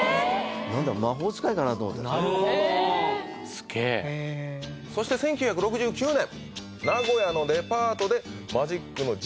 すげえそして「１９６９年」